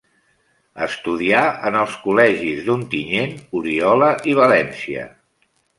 Estudià en els col·legis, d'Ontinyent, Oriola i València.